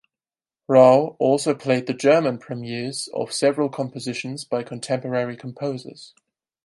Rauh also played the German premieres of several compositions by contemporary composers.